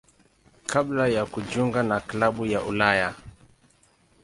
kabla ya kujiunga na klabu ya Ulaya.